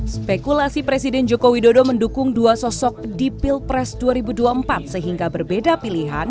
spekulasi presiden joko widodo mendukung dua sosok di pilpres dua ribu dua puluh empat sehingga berbeda pilihan